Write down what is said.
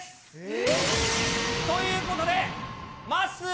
え？ということで、まっすー